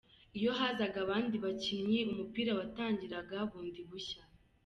Iyo hazaga abandi bakinnyi umupira watangiraga bundi bushya,.